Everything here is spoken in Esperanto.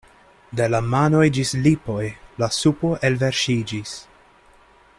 De la manoj ĝis lipoj la supo elverŝiĝis.